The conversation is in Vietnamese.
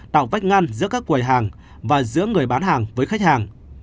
tạo vách ngăn giữa các quầy hàng và giữa người bán hàng với khách hàng